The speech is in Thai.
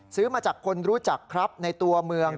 ซื้อมาจากคนรู้จักครับในตัวเมือง